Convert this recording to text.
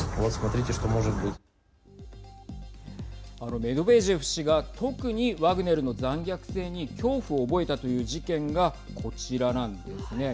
メドベージェフ氏が特にワグネルの残虐性に恐怖を覚えたという事件がこちらなんですね。